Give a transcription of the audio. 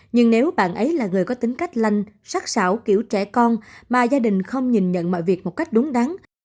nhưng nếu bạn ấy là người có tính cách lanh sắc xảo kiểu trẻ con mà gia đình không nhìn nhận mọi việc một cách đúng đắn